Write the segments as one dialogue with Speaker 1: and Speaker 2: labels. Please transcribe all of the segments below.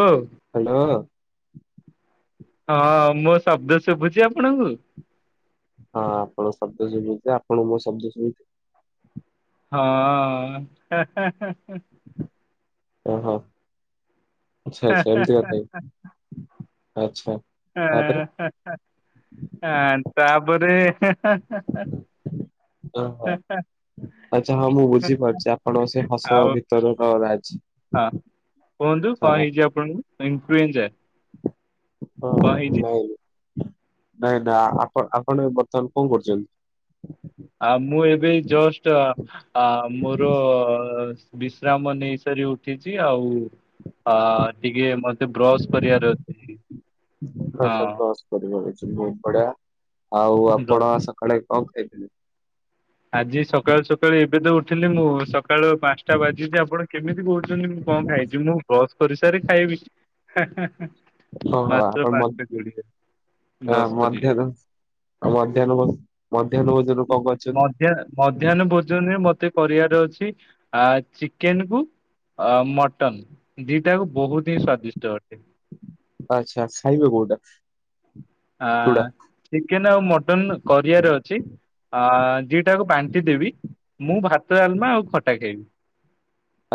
Speaker 1: ଓ
Speaker 2: hello.
Speaker 1: ହଁ ମୋ ଶବ୍ଦ ଶୁଭୁଛି ଆପଣଙ୍କୁ?
Speaker 2: ହଁ ଆପଣଙ୍କ ଶବ୍ଦ ଶୁଭୁଚି। ଆପଣ ଙ୍କୁ ମୋ ଶବ୍ଦ ଶୁଭୁଚି?
Speaker 1: ହଁ।
Speaker 2: ଓହୋ ଆଚ୍ଛା ଆଚ୍ଛା ଏମିତି କଥା କି ଆଚ୍ଛା। ତାପରେ
Speaker 1: ହଁ ଆ ତାପରେ। [inaudible]
Speaker 2: [unintelligible] ଆଚ୍ଛା ହଁ ମୁଁ ବୁଝିପାରୁଛି ଆପଣଙ୍କ ସେ ହସ
Speaker 1: ଆଉ
Speaker 2: ଭିତର।
Speaker 1: ହଁ
Speaker 2: [unintelligible]
Speaker 1: କୁହନ୍ତୁ କଣ ହେଇଛି ଆପଣଙ୍କୁ। [unintelligible]
Speaker 2: ହଁ
Speaker 1: କଣ ହେଇଛି
Speaker 2: ନାଇଁ ନାଇଁ ନା ଆପଣ ବର୍ତ୍ତମାନ କଣ କରୁଛନ୍ତି?
Speaker 1: ଆ ମୁଁ ଏବେ ଜଷ୍ଟ ଆ ମୋର ବିଶ୍ରାମ ନେଇସାରି ଉଠିଛି ଆଉ ଅ ଟିକେ ମ ସେ ବ୍ରସ୍ କରିବାର ଅଛି
Speaker 2: ଆଚ୍ଛା
Speaker 1: ହଁ।
Speaker 2: ବ୍ରସ୍ କରିବେ ବହୁତ ବଢିଆ। ଆଉ
Speaker 1: ବ୍ର
Speaker 2: ଆପଣ ସକାଳେ କଣ ଖାଇଥିଲେ?
Speaker 1: ଆଜି ସକାଳୁ ସକାଳୁ ଏବେ ତ ଉଠିଲି ମୁଁ ସକାଳୁ ପାଞ୍ଚଟା ବାଜିଚି ଆପଣ କେମିତି କହୁଛନ୍ତି ମୁଁ କଣ ଖାଇଚୁ। ମୁଁ ବ୍ରସ କରିସାରେ ଖାଇବି।
Speaker 2: ହଁ ହଁ
Speaker 1: ମାତ୍ର
Speaker 2: ଆପଣ ମ
Speaker 1: ପାଞ୍ଚଟା କୋଡିଏ ବ୍ରସ୍ କରିବି
Speaker 2: ମଧ୍ୟାହ୍ନ ମଧ୍ୟାହ୍ନ ମଧ୍ୟାହ୍ନ ଭୋଜନ କଣ କରିଛନ୍ତି
Speaker 1: ମଧ୍ୟ ମଧ୍ୟାହ୍ନ ଭୋଜନରେ ମତେ କରିବାର ଛି ଆ ଚିକେନ କୁ ଅ ମଟନ। ଦିଟାକୁ ବହୁତ ହିଁ ସ୍ଵାଦିଷ୍ଟ ଅଟେ।
Speaker 2: ଆଚ୍ଛା ଖାଇବେ କୋଉଟା?
Speaker 1: ଆ
Speaker 2: ଚୁଡା
Speaker 1: ଚିକେନ ଆଉ ମଟନ କରିବାର ଅଛି। ଆ ଦିଇଟାକୁ ବାଣ୍ଟି ଦେବି। ମୁଁ ଭାତ ଡାଲମା ଆଉ ଖଟା ଖାଇବି।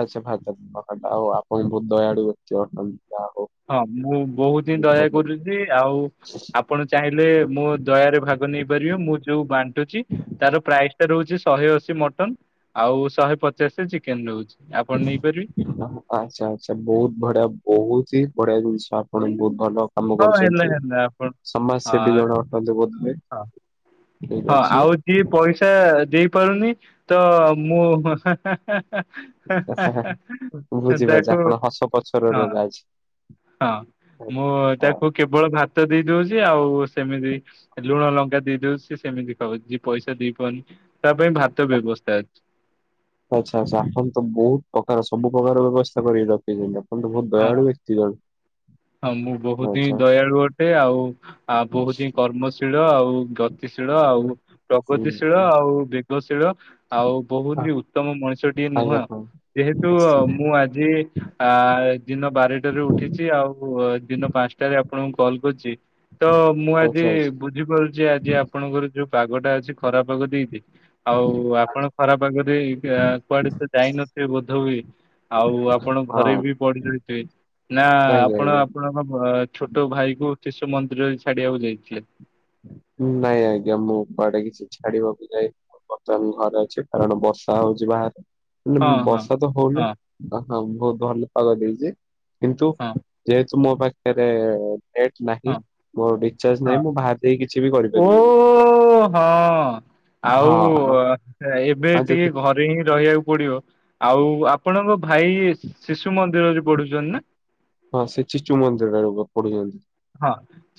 Speaker 2: ଆଚ୍ଛା [inaudible] ଆଉ ଆପଣ ବହୁତ ଦୟାଳୁ ଅଟନ୍ତି। ଯାହା ହଉ।
Speaker 1: ହଁ ମୁଁ ବହୁତ ହିଁ ଦୟା କରୁଛି। ଆଉ ଆପଣ ଚାହିଁଲେ ମୋ ଦୟାରେ ଭାଗ ନେଇପାରିବେ ମୁଁ ଯୋଉ ବାଣ୍ଟୁଛି ତାର ପ୍ରାଇସ ରହୁଛି ଶହେ ଅଶୀ ମଟନ ଆଉ ଶହେ ପଚାଶ ଚିକେନ ରହୁଛି। ଆପଣ ନେଇପାରିବେ
Speaker 2: ଆଚ୍ଛା ଆଚ୍ଛା ବହୁତ ବଢିଆ ବହୁତି ବଢିଆ ଜିନିଷ ଆପଣ ବି ବହୁତ ଭଲ କାମ
Speaker 1: ହଁ ହେଲା
Speaker 2: କରୁଛନ୍ତି
Speaker 1: ହେଲା ଆପଣ
Speaker 2: ସମାଜ ସେବୀ
Speaker 1: ହଁ
Speaker 2: ଜଣେ ଅଟନ୍ତି ବୋଧେ ହୁଏ।
Speaker 1: ହଁ ହଁ ଆଉ ଯିଏ ପଇସା ଦେଇ ପାରୁନି ତ ମୁଁ
Speaker 2: ବୁଝିପାରୁଛି
Speaker 1: ତାଙ୍କୁ ହଁ
Speaker 2: ଆପଣ
Speaker 1: ।
Speaker 2: ହସ ପଛରେ ରହିବେ ଆଜି।
Speaker 1: ହଁ ମୁଁ
Speaker 2: ହଁ
Speaker 1: ତାକୁ କେବଳ ଭା ତ ଦେଇ ଦଉଛି ଆଉ ସେମିତି ଲୁଣ ଲଙ୍କା ଦେଇ ଦଉଛି। କେମିତି କହୁଛି ପଇସା ଦେଇ ପାରୁନି। ତା ପାଇଁ ଭାତ ବ୍ୟବସ୍ଥା ଅଛି।
Speaker 2: ଆଛା, ଆଛା ।ଆପଣ ତ ବହୁତ ପ୍ରକାର ସବୁ ପ୍ରକାର ବ୍ୟବସ୍ଥା କରିକି ରଖିଛନ୍ତି। ତ ବହୁତ
Speaker 1: ହଁ
Speaker 2: ଦୟାଳୁ ବ୍ୟକ୍ତି ଜଣେ
Speaker 1: ।ହଁ ମୁଁ ବହୁତ ହିଁ
Speaker 2: ଆଚ୍ଛା।
Speaker 1: ଦୟାଳୁ ଅଟେ ଆଉ ଆ, ବହୁତ ହିଁ କର୍ମଶୀଳ, ଆଉ ଗତିଶୀଳ, ଆଉ ପ୍ରଗତିଶୀଳ,
Speaker 2: ହୁଁ
Speaker 1: ଆଉ ବେ ଭଶୀଳ ଆଉ, ବହୁତ ଉତ୍ତମ ମଣିଷଟିିଏ
Speaker 2: ଆଜ୍ଞା
Speaker 1: ନୁହଁ।
Speaker 2: ହଁ
Speaker 1: ଯେହେତୁ
Speaker 2: ଆଚ୍ଛା
Speaker 1: ମୁଁ ଆଜି ଆ ଦିନ ବାରଟାରେ ଉଠିଛି। ଆଉ' ଦିନ ପାଞ୍ଚଟାରେ ଆପଣଙ୍କୁ କଲ କରିଛି ତ ମୁଁ
Speaker 2: ଆଚ୍ଛା ହଁ
Speaker 1: ଆଜି ବୁଝିପାରୁଛି, ଆଜି ଆପଣଙ୍କର ଯୋଉ ପାଗ ଟା ଅଛି ଖରାପ ପାଗ ଦେଇଛି। ଆଉ ଆପଣ ଖରାପ ଆଗରେ, କୁଆଡେ ତ ଯାଇନଥିବେ, ବୋଧ ହୁଏ। ଆଉ ଆପଣ ଘରେ ବି ପଢି ରହି ନା
Speaker 2: ଆଜ୍ଞା
Speaker 1: ଆପଣ,
Speaker 2: ଆଜ୍ଞା।
Speaker 1: ଆପଣଙ୍କ ଛୋଟ ଭାଇ କୁ ଶିଶୁ ମନ୍ଦିର ରେ ଛାଡିବାକୁ ଯାଇଥିଲେ।
Speaker 2: ନାଇଁ ଆଜ୍ଞା। ମୁଁ କୁଆଡେ କିଛି ଛାଡିବାକୁ ଯାଇନି ବର୍ତ୍ତମାନ ଘରେ ଅଛି। କାରଣ ବର ବର୍ଷା ହଉଛି ବାହାରେ ।ହେଲେ
Speaker 1: ହଁ ହଁ
Speaker 2: ବର୍ଷା ତ ହଉନି।
Speaker 1: ହଁ
Speaker 2: ହଁ ବହୁତ ଭଲ ପାଗ ଦେଇଛି। କିନ୍ତୁ
Speaker 1: ହଁ
Speaker 2: ଯେହେତୁ ମୋ ପାଖରେ ନେଟ୍ ନାହିଁ।
Speaker 1: ହଁ
Speaker 2: ମୋର ରିଚାର୍ଜ
Speaker 1: ହଁ
Speaker 2: ନାହିଁ ମୁଁ ବାହା
Speaker 1: ଓ, ହଁ ।
Speaker 2: ହଁ
Speaker 1: ଆଉ ଏବେ
Speaker 2: ଆଉ
Speaker 1: ଟିକେ
Speaker 2: ଯଦି
Speaker 1: ଘରେ ହିଁ ରହିବାକୁ ପଡିବ ।ଆଉ ଆପଣ ଆପଣଙ୍କ ଭାଇ ଶିଶୁ ମନ୍ଦିରରେ ପଢୁଛନ୍ତି ନା
Speaker 2: ହଁ ସେ ଚିଚୁ ମନ୍ଦିରରେ, ର ପଡୁଛନ୍ତି।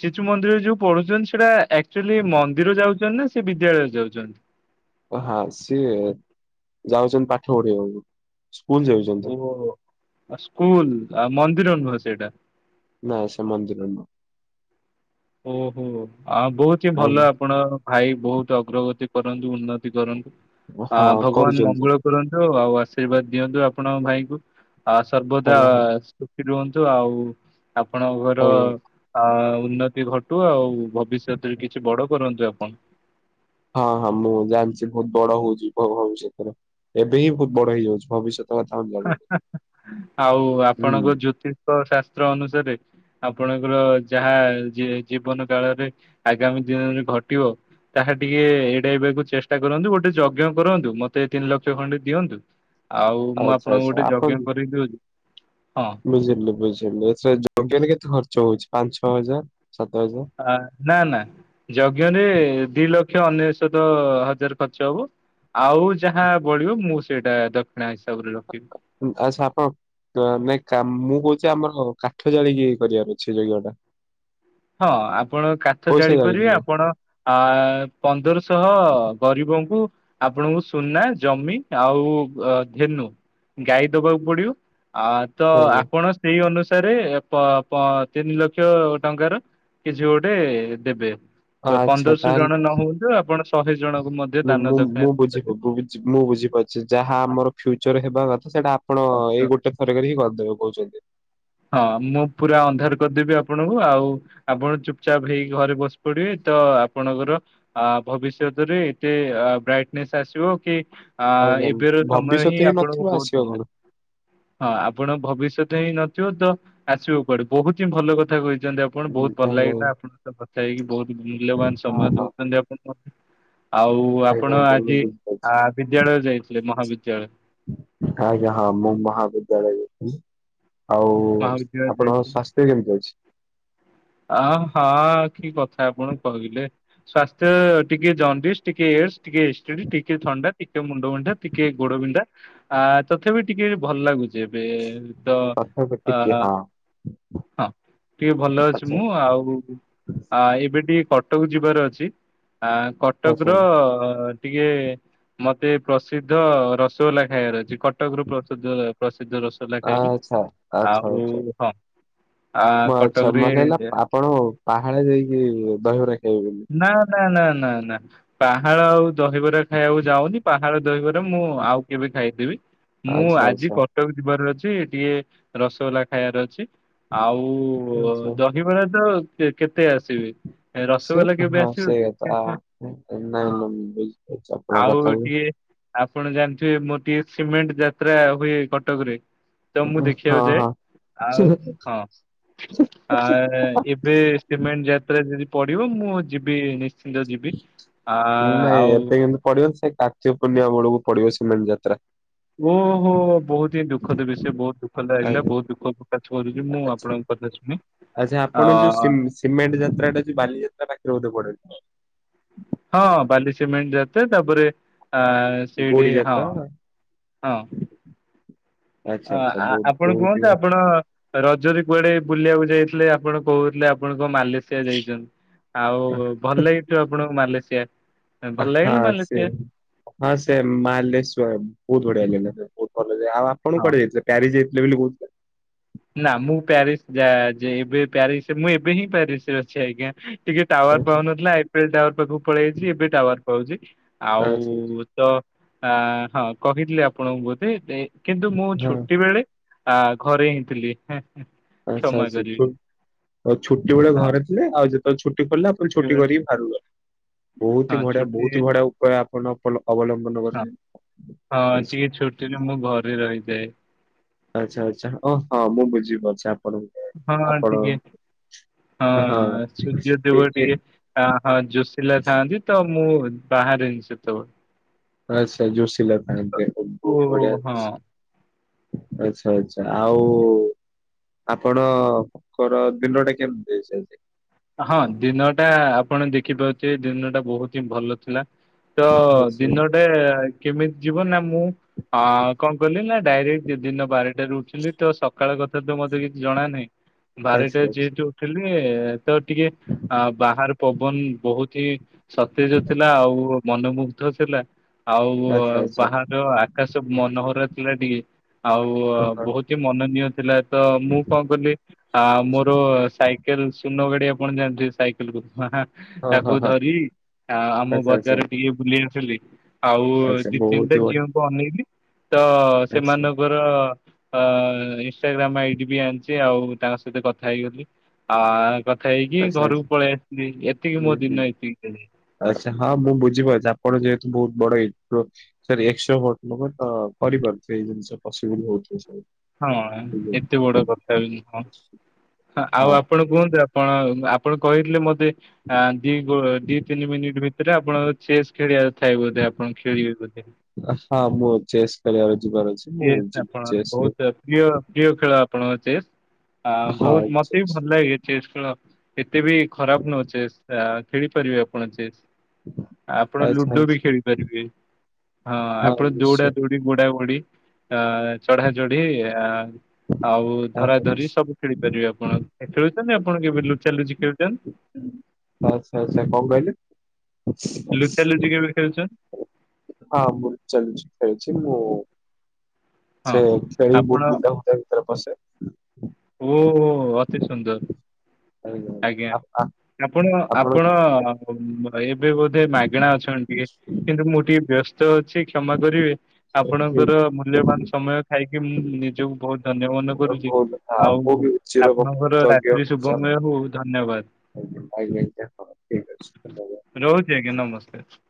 Speaker 1: ଶିଶୁ ମନ୍ଦିରରେ ଯୋଉ ପଢୁଛନ୍ତି, ସେଟା ଆକ୍ଚୁଆଲି ମନ୍ଦିର ଯାଉଛନ୍ତି ନା ସେ ବିଦ୍ୟାଳୟରେ ଯାଉଛନ୍ତି।
Speaker 2: ଓ ହ, ସିଏ ଯାଉଛନ୍ତି ପାଠ ପଢିବାକୁ। ସ୍କୁଲ ଯାଉଛନ୍ତି
Speaker 1: ଓ ହୋ, ହୋ। ଆ ସ୍କୁଲ୍ ଆଉ ମନ୍ଦିର ଅନୁ ସେଇଟା?
Speaker 2: ନାଁ ସିଏ ମନ୍ଦିର ନୁହ।
Speaker 1: ଓହୋ। ଆ ବହୁତ ହିଁ ଭଲ ଆପଣ। ଭାଇ ବହୁତ ଅଗ୍ରଗତି କରନ୍ତୁ, ଉନ୍ନତି କରନ୍ତୁ। ଆ
Speaker 2: ହଁ
Speaker 1: ଭଗବାନ
Speaker 2: କରୁଛନ୍ତି
Speaker 1: ମଙ୍ଗଳ କରନ୍ତୁ, ଆଉ ଆଶୀର୍ବାଦ ଦିଅନ୍ତୁ, ଆପଣଙ୍କ ଭାଇଙ୍କୁ। ଆ ସର୍ବଦା
Speaker 2: ହେଲା
Speaker 1: ଖୁସି ରୁହନ୍ତୁ, ଆଉ ଆପଣଙ୍କର
Speaker 2: ଆଜ୍ଞା।
Speaker 1: ଆ-ଉନ୍ନ ତି, ଘଟୁ ଆଉ ଭବିଷ୍ୟତରେ କିଛି ବଡ କରନ୍ତୁ ଆପଣ।
Speaker 2: ହଁ ହଁ। ମୁଁ ଜାଣିଛି ବହୁତ ବଡ ହଉଛି ଭଲ ହେଉଛି ଏଇଥର । ଏବେ ହିଁ ବହୁତ ବଡ ହେଇଯାଉଛି। ଭବିଷ୍ୟତ କଥା ଆମେ
Speaker 1: ହା,
Speaker 2: ଜାଣିନୁ।
Speaker 1: ହା-ଆଉ
Speaker 2: ହୁଁ
Speaker 1: ଆପଣଙ୍କ ଜ୍ୟୋତିଷ ଶାସ୍ତ୍ର ଅନୁସାରେ ଆପଣଙ୍କର ଯାହା ଜି-ଜୀବନ କାଳରେ ଆଗାମୀ ଦିନରେ ଘଟିବ। ତାହା ଟିକେ ଏଡେଇବାକୁ ଚେଷ୍ଟା କରନ୍ତୁ। ଗୋଟେ ଯଜ୍ଞ କରନ୍ତୁ। ମତେ ତିନି ଲକ୍ଷ ଖଣ୍ଡେ ଦିଅନ୍ତୁ। ଆଉ ମୁଁ ଆପଣଙ୍କୁ ଗୋଟେ ଜଜ୍ଞ କରେଇ ଦଉଛି। ହଁ।
Speaker 2: ବୁଝିଲୁ, ବୁଝିଲୁ ଏଥିରେ ଯଜ୍ଞରେ କେତେ ଖର୍ଚ୍ଚ ହଉଛି? ପାଞ୍ଚ ଛଅ ହଜାର? ସାତ ହଜାର
Speaker 1: ନା, ନା ।ଯଜ୍ଞରେ ଦି ଲ କ୍ଷ୍ୟ ଅନେଶତ ହଜାର, ଖର୍ଚ୍ଚ ହବ ।ଆଉ ଯାହା ବଳିବ ମୁଁ ସେଇଟା ଦକ୍ଷିଣା ହିସାବ
Speaker 2: ଆଛପଣ ନାଇଁ କାମ ମୁଁ [unintelligible] କହୁଛି ଆମର କାଠ ଜାଳିକି କରିବା, ମିଛି ଲିଆଟା ।
Speaker 1: ହଁ ଆପଣ କାଠ
Speaker 2: ଜାଳିକି
Speaker 1: ଜାଳିପାରିବେ।
Speaker 2: ନୁହଁ।
Speaker 1: ଆପଣ ଆ-ପନ୍ଦରଶହ ଗରିବ କଙ୍କୁୁ ଆପଣଙ୍କୁ ସୁନା, ଜମି ଆଉ ଧେନୁ, ଗାଈ ଦବାକୁ ପଡିବ। ଆ-ତ
Speaker 2: ଆଜ୍ଞା
Speaker 1: ଆପଣ ସେଇ ଅନୁସାରେ, ପ-ପ, ତିନି ଲକ୍ଷ ଟଙ୍କାର କିଛି ଗୋଟେ ଦେବେ।
Speaker 2: ଆଚ୍ଛା
Speaker 1: ପନ୍ଦରଶହ
Speaker 2: ତାହେଲେ
Speaker 1: ଜଣ ନ ହଉନ୍ତୁ, ଆପଣ ଶହେ ଜଣଙ୍କୁ ମଧ୍ୟ
Speaker 2: ମୁଁ
Speaker 1: ଦାନ
Speaker 2: ମୁଁ
Speaker 1: ଦକ୍ଷିଣା
Speaker 2: ମୁଁ ବୁଝି
Speaker 1: ଦେଇପାରିବେ।
Speaker 2: ମୁଁ ବୁଝି ମୁଁ ବୁଝିପାରୁଛି ଯାହା ଆମର ଫ୍ୟୁଚର ହେବା କଥା, ସେଇଟା ଆପଣ ଏଇ
Speaker 1: ଆଚ୍ଛା।
Speaker 2: ଗୋଟେ ଥରକରେ ହିଁ କରିଦେବେ କହୁଛନ୍ତି।
Speaker 1: ହଁ ମୁଁ ପୁରା ଅନ୍ଧାର କରିଦେବି ଆପଣଙ୍କୁ। ଆଉ ଆପଣ ଚୁପଚାପ୍ ହେଇକି ଘରେ ବସି ପଡିବେ ତ ଆପଣଙ୍କର ଅ-ଭବିଷ୍ୟତରେ ଏତେ ବ୍ରାଇଟନେସ୍ ଆସିବ କି? ଆ
Speaker 2: ଆଜ୍ଞା
Speaker 1: ଏବେର ସମୟ
Speaker 2: ଭବିଷ୍ୟତ
Speaker 1: ହିଁ
Speaker 2: ନଥିବ
Speaker 1: ଆପଣଙ୍କୁ ବହୁତ
Speaker 2: ଆସିବ କଣ?
Speaker 1: ବଢିଆ। ହଁ ଆପଣ ଭବିଷ୍ୟତ ହିଁ ନଥିବ। ତ ଆସିବ କୁଆଡୁ। ବହୁତ ହିଁ ଭଲ କଥା କହିଛି। ଆପଣ
Speaker 2: ହୁଁ
Speaker 1: ବହୁତ ଭଲ
Speaker 2: ଆଜ୍ଞା ହଁ
Speaker 1: ଲାଗିଲା ଆପଣଙ୍କ ସହିତ କଥା ହେଇକି। ବହୁତ ମୂଲ୍ୟବାନ ସମୟ
Speaker 2: ହଁ
Speaker 1: ଦଉଛନ୍ତି ଆପଣ। ଆଉ
Speaker 2: ଆଜ୍ଞା
Speaker 1: ଆପଣ
Speaker 2: ଆଜ୍ଞା ମୁଁ
Speaker 1: ଆଜି
Speaker 2: ବୁଝିପାରୁଛି।
Speaker 1: ବିଦ୍ୟାଳୟ ଆ ଯାଇଥିଲେ ମହାବିଦ୍ୟାଳୟ।
Speaker 2: ଆଜ୍ଞା ହଁ ମୁଁ ମହାବିଦ୍ୟାଳୟ ଯାଇ ଥିଲି। ଆଉ
Speaker 1: ମହାବିଦ୍ୟାଳୟ
Speaker 2: ଆପଣଙ୍କ
Speaker 1: ଯାଇଥିଲେ
Speaker 2: ସ୍ୱାସ୍ଥ୍ୟ କେମିତି ଅଛି?
Speaker 1: ଅ ହଁ କି କଥା ଆପଣ କହିଲେ। ସ୍ଵାସ୍ଥ୍ୟ ଟିକେ ଜଣ୍ଡିସୀ ଟିକେ ଏଡସ ଟିକେ ଏସ୍ଟିଡି ଟିକେ ଥଣ୍ଡା। ଟିକେ ମୁଣ୍ଡ ବିଣ୍ଡା ଟିକେ ଗୋଡ ବିନ୍ଧା। ଆ ତଥାପି ଟିକେ ଭଲ ଲାଗୁଛି। ଯେବେ ତ
Speaker 2: ତଥାପି
Speaker 1: ଅ
Speaker 2: ଟିକେ ହଁ
Speaker 1: ହଁ ଟିକେ ଭଲ ଅଛି।
Speaker 2: ଆଚ୍ଛା
Speaker 1: ମୁଁ ଆଉ ଏବେ ଟିକେ କଟକ ଯିବାର ଅଛି। ଆ କଟକ ର
Speaker 2: ଆଚ୍ଛା
Speaker 1: ଟିକେ ମତେ ପ୍ରସିଦ୍ଧ ର ରସଗୋଲା ଖାଇବାର ଅଛି? କଟକର ପ୍ରସିଦ୍ଧ ପ୍ରସିଦ୍ଧ ରସଗୋଲା ଖାଇବି।
Speaker 2: ଆଚ୍ଛା ଆଚ୍ଛା
Speaker 1: ଆଉ
Speaker 2: ଆଚ୍ଛା।
Speaker 1: ହଁ ଆ
Speaker 2: ମୁଁ ଆଚ୍ଛା
Speaker 1: କଟକରେ
Speaker 2: ମନେ ହେଲା ଆପଣ ପାହାଡେ ଯାଇକି ଦହିବରା ଖାଇବେନି।
Speaker 1: ନା ନା ନା ନା ନା ପାହାଳ ଆଉ ଦହିବରା ଖାଇବାକୁ ଯାଉନି। ପାହା ପାହାଳ ଦହିବରା ମୁଁ ଆଉ କେବେ ଖାଇଦେବି। ମୁଁ
Speaker 2: ଆଚ୍ଛା
Speaker 1: ଆଜି
Speaker 2: ଆଚ୍ଛା
Speaker 1: କଟକ ଯିବାର ଅଛି। ଟିକେ ରସଗୋଲା ଖାଇବାର ଅଛି। ଆଉ
Speaker 2: ଆଚ୍ଛା।
Speaker 1: ଦହିବରା ତ କେତେ ଆସିବେ।
Speaker 2: ସେ
Speaker 1: ରସଗୋଲା କେବେ
Speaker 2: ହଁ ସେଇ
Speaker 1: ଆସିବକି?
Speaker 2: କଥା ନାଇଁ ନାଇଁ
Speaker 1: ହଁ
Speaker 2: ମୁଁ ବୁଝିପାରୁଛି ଆପଣଙ୍କ
Speaker 1: ଆଉ
Speaker 2: କଥାକୁ
Speaker 1: ଟିକେ ଆପଣ ଜାଣିଥିବେ ମୋର ଟିକେ ସିମେଣ୍ଟ ଯାତ୍ରା ହୁଏ କଟକରେ। ତ ମୁଁ
Speaker 2: ହଁ
Speaker 1: ଦେଖିବାକୁ ଯାଏ।
Speaker 2: ହଁ।
Speaker 1: ଆଉ ହଁ। ଆ ଏବେ ସିମେଣ୍ଟ ଯାତ୍ରା ଯଦି ପଡିବ। ମୁଁ ଯିବି ନିଶ୍ଚିନ୍ତ ଯିବି। ଆ
Speaker 2: ନାଇଁ
Speaker 1: ଆଉ
Speaker 2: ଏବେ କିନ୍ତୁ ପଡିବନି। ସେ କାର୍ତ୍ତିକ ପୂର୍ଣ୍ଣିମା ବେଳକୁ ପଡିବ ସିମେଣ୍ଟ ଯାତ୍ରା।
Speaker 1: ଓହୋ ବହୁତ ହିଁ ଦୁଃଖଦ ବିଷୟ। ବହୁତ ଦୁଃଖ ଲାଗିଲା।
Speaker 2: ଆଜ୍ଞା
Speaker 1: ବହୁତ ଦୁଃଖ କରୁଛି ମୁଁ
Speaker 2: ଆଚ୍ଛା।
Speaker 1: ଆପଣଙ୍କ କଥା ଶୁଣିି
Speaker 2: ଆଚ୍ଛା ଆପଣ ଯୋଉ ସିମ୍ ସିମେଣ୍ଟ ଯାତ୍ରା ଟା ଯୋଉ ବାଲିଯାତ୍ରା ପାଖରେ ବୋଧେ ପଡେ।
Speaker 1: ହଁ ବାଲି ସିମେଣ୍ଟ ଯାତେ। ତାପରେ ଆ ସେଇଠି
Speaker 2: ଗୋଡି
Speaker 1: ହଁ
Speaker 2: ଯାତ୍ରା
Speaker 1: ହଁ।
Speaker 2: ଆଚ୍ଛା
Speaker 1: ଅ
Speaker 2: ଆଚ୍ଛା ବହୁତ
Speaker 1: ଆ-ଆ-ଆପଣ
Speaker 2: ବହୁତ
Speaker 1: କୁହନ୍ତୁ। ଆପଣ ରଜରେ କୁଆଡେ ବୁଲିବାକୁ ଯାଇଥିଲେ। ଆପଣ କହୁଥିଲେ ଆପଣ ମାଲେସିଆ ଯାଇଛନ୍ତି। ଆଉ ଭଲ ଲାଗିଥିବ ଆପଣଙ୍କୁ ମାଲେସିଆ। ଭଲ ଲାଗିଲା
Speaker 2: ହଁ ସେ
Speaker 1: ମାଲେସିଆ
Speaker 2: ହଁ ସେ ମାଲେଶ୍ଵର ବହୁତ ବଢିଆ ଲିଙ୍ଗେଶ୍ୱର। ଆ-ଆ-ଆଉ ଆପଣଙ୍କ
Speaker 1: ହଁ
Speaker 2: କୁଆଡେ ଯାଇଥିଲେ। ପ୍ୟାରିସ୍ ଯାଇଥିଲେେ ବୋଲି କହୁଥିଲେ।
Speaker 1: ନା ମୁଁ ପ୍ୟାରିସ୍ ଯା ଯି ଏବେ ପ୍ୟାରିସ୍ ରେ ମୁଁ ଏବେ ହିଁ ପ୍ୟାରିସ୍ ରେ ଅଛି ଆଜ୍ଞା। ଟିକେ ଟାୱାର
Speaker 2: ଆଚ୍ଛା
Speaker 1: ପାଉନଥିଲା। ଆଇପିଲ ଟାୱାର ପାଖକୁ ପଳେଇ ଆଇଛି ଏବେ ଟାୱାର ପାଉଛି।
Speaker 2: ଆଚ୍ଛା ଆଚ୍ଛା।
Speaker 1: ଆଉ ତ ଆ ହଁ କହିଥିଲି ଆପଣଙ୍କୁ ବୋଧେ। କିନ୍ତୁ ମୁଁ
Speaker 2: ହଁ
Speaker 1: ଛୁଟି ବେଳେ ଆ ଘରେ ହିଁ ଥିଲି।
Speaker 2: ଆଛା
Speaker 1: କ୍ଷମା
Speaker 2: ଆଛା ଛୁ
Speaker 1: କରିବେ
Speaker 2: ଛୁଟି ବଳେ
Speaker 1: ହଁ
Speaker 2: ଘରେ ଥିଲେ। ଆଉ ଯେତେବେଳେ ଛୁ ଛୁଟି ଖୋଲିଲା। ଆପଣ ଛୁଟି
Speaker 1: ଛୁଟିବେଳେ
Speaker 2: କରିକି ବାହାରକୁ ଗଲେ। ବହୁତ
Speaker 1: ହଁ
Speaker 2: ହି ବଢିଆ
Speaker 1: ଛୁଟି
Speaker 2: ବହୁତ ହ ବଢିଆ ଉପାୟ। ଆପଣ ଅବଲମ୍ବନ
Speaker 1: ହଁ
Speaker 2: କରିଛନ୍ତି।
Speaker 1: ହଁ ଟିକେ ଛୁଟିରେ ମୁଁ ଘରେ ରହିଯାଏ।
Speaker 2: ଆଚ୍ଛା ଆଚ୍ଛା ଓ ହଁ ମୁଁ ବୁଝିପାରୁଛି। ଆପଣଙ୍କୁ
Speaker 1: ହଁ
Speaker 2: ଆପଣ
Speaker 1: ଟିକେ ହଁ
Speaker 2: ଏ
Speaker 1: ସୂର୍ଯ୍ୟଦେବ
Speaker 2: ଏ
Speaker 1: ଟିକେ ହଁ ଯୋଶିଲ ଥାଆନ୍ତି। ତ ମୁଁ ବାହାରେ ସେତେ
Speaker 2: ଆଚ୍ଛା ଯୋସିଲା ଫେଣି ବହୁତ ବଢିଆ
Speaker 1: ଓ ହଁ।
Speaker 2: ଜିନିଷ। ଆଚ୍ଛା ଆଚ୍ଛା। ଆଉ ଆପଣଙ୍କର ଦିନ ଟା କେମିତି ସେ ଚାଲିଛି।
Speaker 1: ହଁ ଦିନଟା ଆପଣ ଦେଖିପାରୁଥିବେ। ଦିନ ଟା ବହୁତ ହିଁ ଭଲ ଥିଲା। ତ
Speaker 2: ଆଚ୍ଛା
Speaker 1: ଦିନଟେ କେମିତି ଯିବ ନା ମୁଁ କଣ କଲିି ନା ଡାଇରେକ୍ଟ ଯ ଦିନ ବାରଟାରେ ଉଠିଲି। ତ ସକାଳେ ତଥାପି ତ ମତେ କିଛି ଜଣା ନାହିଁ। ବାରିଟା
Speaker 2: ଆଚ୍ଛା ଆଚ୍ଛା
Speaker 1: ଯେହେଠୁ ଉଠିଲି ତ ଟିକେ ବାହାର ପବନ ବହୁତ ହିଁ ସତେଜ ଥିଲା ଆଉ ମନମୁଗ୍ଧ ଥିଲା। ଆଉ
Speaker 2: ଆଚ୍ଛା ଆଚ୍ଛା।
Speaker 1: ବାହାରର ଆକାଶ ମନୋହରା ଥିଲା ଟିକେ। ଆଉ
Speaker 2: ହଁ ହଁ
Speaker 1: ବହୁତ ହିଁ ମନନୀୟ ଥିଲା ତ ମୁଁ କଣ କଲି ଆ ମୋର ସାଇକେଲ ଶୂନ ଗାଡି ଆପଣା ସାଇକେଲ କୁ ହାଁ ହାଁ
Speaker 2: ହଁ ହଁ
Speaker 1: ତାକୁ
Speaker 2: ହଁ
Speaker 1: ଧରି ଆ ଆମ
Speaker 2: ଆଚ୍ଛା ଆଚ୍ଛା
Speaker 1: ବଜାରରେ ଟିକେ ବୁଲି ଆସିଲି। ଆଉ
Speaker 2: ଆଚ୍ଛା
Speaker 1: ଦି
Speaker 2: ବହୁତ
Speaker 1: ତିନିଟା
Speaker 2: ହି ବଢିଆ
Speaker 1: ଝିଅଙ୍କୁ ଅନେଇବି। ତ
Speaker 2: ଆଚ୍ଛା
Speaker 1: ସେମାନଙ୍କର ଅ ଇନସଷ୍ଟାଗ୍ରାମ ଆଇଡି ବି ଆଣିଛି ଆଉ ତାଙ୍କ ସହିତ କଥା ହେଇଗଲି ଆ କଥା ହେଇକି
Speaker 2: ଆଚ୍ଛା ଆଚ୍ଛା
Speaker 1: ଘରକୁ ପଳେଇ ଆସଥିଲି ଏତିକି ମୋ
Speaker 2: ହୁଁ ହୁଁ।
Speaker 1: ଦିନ ଏତିକି
Speaker 2: ଆଚ୍ଛା ହଁ ମୁଁ ବୁଝିପାରୁଛି ଆପଣ ଯେହେତୁ ବହୁତ ବଡ ଏପ୍ରୋ ସରି ଏଶ୍ସୋ କରିପାରୁଚି। ସେଇ ଜିନିଷ ପଶିବଲ ହଉଥିବ ସବୁ।
Speaker 1: ହଁ
Speaker 2: ବୁଝିଲି।
Speaker 1: ଏତେ ବଡ କଥା ବି ନୁହଁ ଆଉ
Speaker 2: ହଁ
Speaker 1: ଆପଣ କୁହନ୍ତୁ ଆପ ଆପଣ ଆପଣ କହିଥିଲେ ମତେ ଦି ଦି ତିନି ମିନିଟ୍ ଭିତ ରେ ଆପଣ ଚେସ୍ ଖେଳିବା। ଥାଏ ବୋଧେ ଆପଣ ଖେଳିବେ ବୋଧେ।
Speaker 2: ହଁ ମୁଁ ଚେସ୍ ଖେଳିବାର ଯିବାର ଅଛି ମୁଁ
Speaker 1: ଇଏ
Speaker 2: ଯିବି
Speaker 1: ଆପଣ
Speaker 2: ଚେସ୍ ହଁ
Speaker 1: ବହୁତ ପ୍ରିୟ ପ୍ରିୟ ଖେଳ ଆପ ଆପଣଙ୍କ ଚେସ୍ ଆ ବହୁତ ମତେ
Speaker 2: ଚେସ୍
Speaker 1: ବି ଭଲ ଲାଗେ ଚେସ୍ ଖେଳ। ଏତେ ବି ଖରାପ ନୁହଁ ଚେସ୍ଟା ଖେଳି ପାରିବେ ଆପଣ ଚେସ୍। ଆପଣ
Speaker 2: ଆଚ୍ଛା।
Speaker 1: ଲୁଡୋ ବି ଖେଳିପାରିବେ। ହଁ ଆପଣେ ଦୌଡା ଦୌଡି ବୋଡା ବୋଡି ଆ ଚଢା ଚଢ଼ି ଆ ଆଉ
Speaker 2: ହଁ
Speaker 1: ଧରା
Speaker 2: ହଁ।
Speaker 1: ଧରି ସବୁ ଖେଳି ପାରିବେ ଆପଣ। ଏ ଖେଳଛନ୍ତି ଆପଣ କେବେ ଲୁଚା ଲୁଚି ଖେଳୁଛନ୍ତି।
Speaker 2: ଆଚ୍ଛା ଆଚ୍ଛା କଣ କହିଲେ।
Speaker 1: ଲୁଚା ଲୁଚି କେବେ ଖେଳିଚ।
Speaker 2: ହଁ ମୁଁ ଚାଲୁଛି ଖାଇଛି ମୁଁ।
Speaker 1: ହଁ।
Speaker 2: ସେ ଛେଳି ବହୁତ ବୁଦା ଫୁଦା ଭିତରେ ପଶେ।
Speaker 1: ଓହୋ ଅତି ସୁନ୍ଦର। ଆଜ୍ଞା
Speaker 2: ଆ- ଆ-
Speaker 1: ଆପଣ ଆପଣ ଏବେ ବୋଧେ ମାଗଣା ଅଛନ୍ତି ଟିକେ କିନ୍ତୁ ମୁଁ ଟିକେ ବ୍ୟସ୍ତ ଅ ଛି କ୍ଷମା କରିବେ
Speaker 2: କି-
Speaker 1: ଆପଣଙ୍କର ମୂଲ୍ୟବାନ ସମୟ ଥାଇକି ମୁଁ ନିଜକୁ ବହୁତ ଧନ୍ୟ ମନେ କରୁ
Speaker 2: ବହୁତ, ହଁ
Speaker 1: ଆଉ
Speaker 2: ମୁଁ ବି ଚିର
Speaker 1: ଆପଣଙ୍କର
Speaker 2: କୃତଜ୍ଞ
Speaker 1: ରାତ୍ରି
Speaker 2: ହଉଛି
Speaker 1: ଶୁଭମୟ
Speaker 2: ଆପଣ
Speaker 1: ହଉ ଧନ୍ୟବାଦ।
Speaker 2: ଆଜ୍ଞା ଆଜ୍ଞା ଆଜ୍ଞା। ହଁ ଠିକ ଅଛି ଧନ୍ୟବାଦ।
Speaker 1: ରହୁଛି ଆଜ୍ଞା ନମସ୍କାର।